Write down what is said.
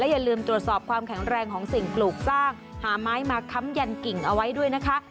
อย่าลืมตรวจสอบความแข็งแรงของสิ่งปลูกสร้างหาไม้มาค้ำยันกิ่งเอาไว้ด้วยนะคะ